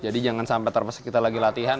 jadi jangan sampai terpaksa kita lagi latihan